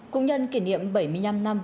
cũng nhân kỷ niệm bảy mươi năm năm